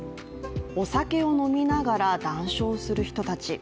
お酒を飲みながら、談笑する人たち。